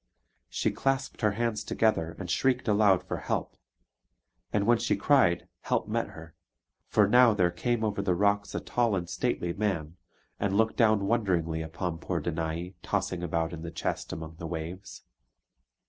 She clasped her hands together, and shrieked aloud for help. And when she cried, help met her: for now there came over the rocks a tall and stately man, and looked down wonderingly upon poor Danae tossing about in the chest among the waves.